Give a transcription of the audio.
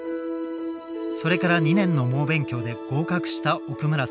それから２年の猛勉強で合格した奥村さん。